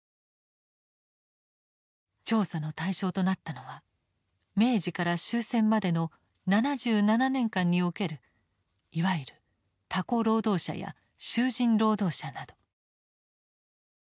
調査の対象となったのは明治から終戦までの７７年間におけるいわゆるタコ労働者や囚人労働者など。